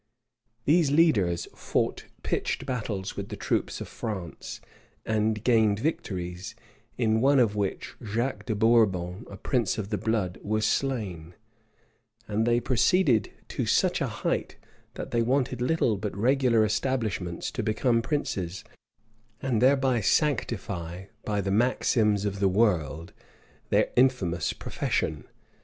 These leaders fought pitched battles with the troops of France, and gained victories; in one of which Jaques de Bourbon, a prince of the blood, was slain:[] and they proceeded to such a height, that they wanted little but regular establishments to become princes, and thereby sanctify, by the maxims of the world, their infamous profession.